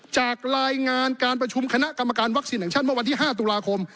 จากรายงานการประชุมคณะกรรมการวัคซีนแห่งชาติเมื่อวันที่๕ตุลาคม